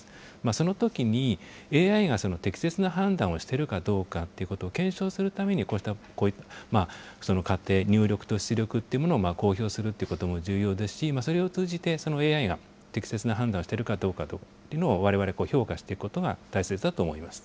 そのときに、ＡＩが適切な判断をしているかどうかということを検証するためにこうした過程、入力と出力というものを公表するということも重要ですし、それを通じて、そのＡＩが適切な判断をしてるかどうかというのをわれわれ評価していくことが大切だと思います。